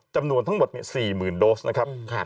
จำนวนทั้งหมด๔๐๐๐โดสนะครับ